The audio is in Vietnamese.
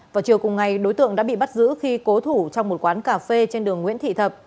vào chiều cùng ngày đối tượng đã bị bắt giữ khi cố thủ trong một quán cà phê trên đường nguyễn thị thập